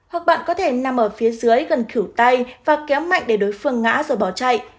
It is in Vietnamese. hoặc bạn có thể nằm ở phía dưới gần thử tay và kéo mạnh để đối phương ngã rồi bỏ chạy